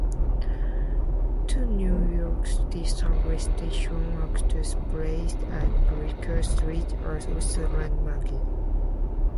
Two New York City Subway stations, Astor Place and Bleecker Street, are also landmarked.